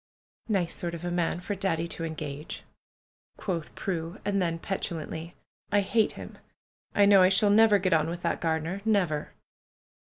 "Nice sort of a man for Daddy to engage," quoth Prue; and then petulantly. "I hate him! I know I shall never get on with that gardener. Never